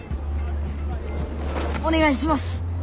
お願いします！